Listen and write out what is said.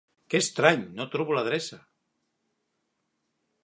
Que estrany, no trobo l'adreça!